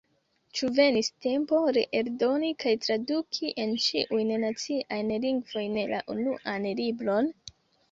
Ĉu venis tempo reeldoni kaj traduki en ĉiujn naciajn lingvojn la Unuan Libron?